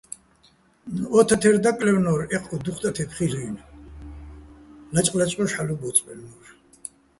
ო თათაჲრი̆ დაკლაჲვნო́რ, ეჴუჲგო დუჴ ტათებ ხილ'ო-აჲნო̆, ლაჭყ-ლაჭყუშ ჰ̦ალო̆ ბო́წბაჲლნო́რ.